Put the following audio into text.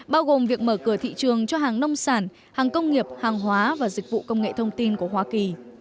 bao gồm việc mở cửa thị trường cho hàng nông sản hàng công nghiệp hàng hóa và dịch vụ công nghệ thông tin của hoa kỳ